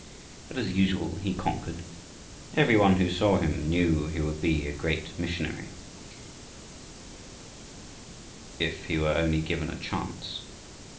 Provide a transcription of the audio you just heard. But as usual he conquered. Every one saw he would be a great missionary if he were only given a chance.